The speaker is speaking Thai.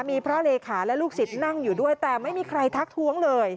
มีพระเลขาและลูกศิษย์นั่งอยู่ด้วยแต่ไม่มีใครทักท้วงเลย